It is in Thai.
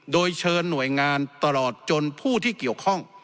โดยเชิญหน่วยงานตลอดจนผู้ที่เกี่ยวข้อง